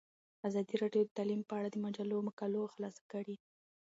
ازادي راډیو د تعلیم په اړه د مجلو مقالو خلاصه کړې.